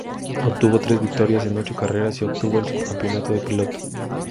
Obtuvo tres victorias en ocho carreras, y obtuvo el subcampeonato de piloto.